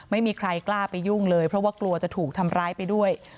ไม่มีใครกล้าไปยุ่งเลยเพราะว่ากลัวจะถูกทำร้ายไปด้วย